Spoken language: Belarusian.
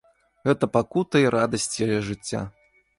Гэта пакута й радасць яе жыцця.